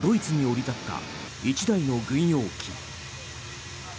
暗闇の中、ドイツに降り立った１台の軍用機。